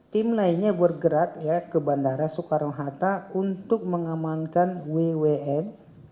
tim lainnya bergerak ke bandara soekarno hatta untuk mengamankan wwn